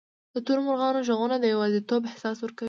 د تورو مرغانو ږغونه د یوازیتوب احساس ورکوي.